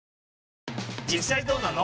実際どうなの？